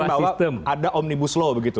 bahwa ada omnibus law begitu